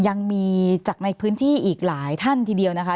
ยังมีจากในพื้นที่อีกหลายท่านทีเดียวนะคะ